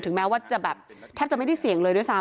ถึงแม้ว่าแทบจะไม่ได้เสี่ยงเลยด้วยซ้ำ